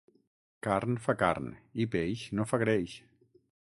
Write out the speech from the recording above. Carn fa carn i peix no fa greix.